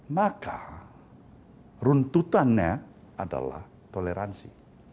maka runtutannya adalah toleransi